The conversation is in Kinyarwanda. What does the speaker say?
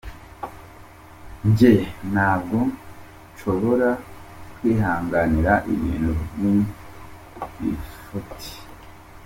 Njye ntabwo nshobora kwihanganira ibintu by’ibifuti.